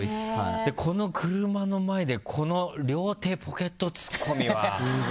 この車の前でこの両手ポケット突っ込みは。